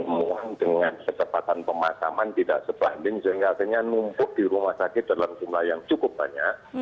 akan dimuang dengan kecepatan pemasaman tidak sebanding sehingga artinya numpuk di rumah sakit dalam jumlah yang cukup banyak